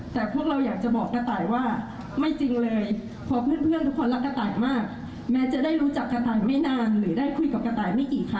แต่เราอยากยังแบบบอกกระต่ายว่าไม่จริงเลย